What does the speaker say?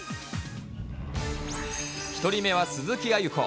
１人目は鈴木亜由子。